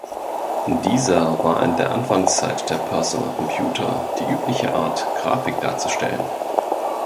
Dieser war in der Anfangszeit der Personal Computer die übliche Art, Grafik darzustellen.